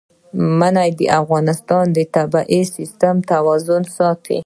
منی د افغانستان د طبعي سیسټم توازن ساتي.